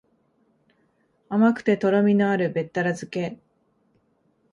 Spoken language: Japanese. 甘くてとろみのあるべったら漬け